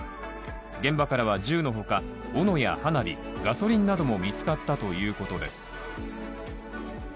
現場からは銃のほか斧や花火、ガソリンなども見つかったということです。